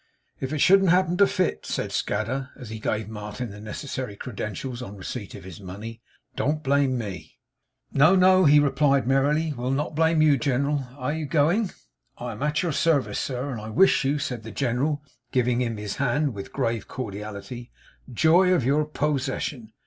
'If it shouldn't happen to fit,' said Scadder, as he gave Martin the necessary credentials on recepit of his money, 'don't blame me.' 'No, no,' he replied merrily. 'We'll not blame you. General, are you going?' 'I am at your service, sir; and I wish you,' said the General, giving him his hand with grave cordiality, 'joy of your po ssession.